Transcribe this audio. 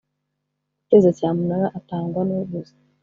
guteza cyamunara atangwa n uguze